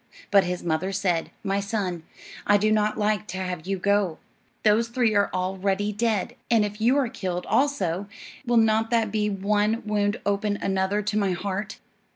But his mother said: "My son, I do not like to have you go. Those three are already dead; and if you are killed also, will not that be one wound upon another to my heart?"